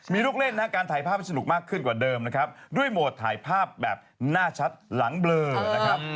มีลูกเล่นนะครับการถ่ายภาพให้สนุกมากขึ้นกว่าเดิมนะครับด้วยโหมดถ่ายภาพแบบหน้าชัดหลังเบลอนะครับ